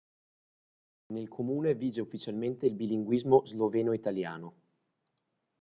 Nel comune vige ufficialmente il bilinguismo sloveno-italiano.